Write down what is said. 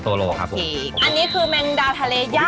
อันนี้คือแมงดาทะเลยาก